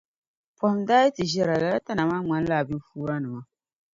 Pɔhim daa yi ti ʒɛra lala tana maa ŋmanila abinfuuranima.